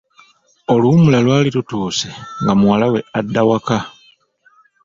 Oluwummula lwali lutuuse nga muwala we adda waka.